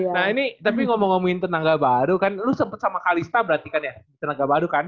nah ini tapi ngomong ngomongin tenaga baru kan lu sempet sama kalista berarti kan ya di tenaga baru kan